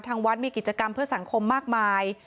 ทางวัดมีกิจกรรมเพื่อสังคมมากมาย